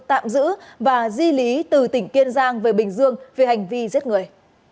tạm giữ và di lý từ tỉnh kiên giang về bình dương về hành vi giết người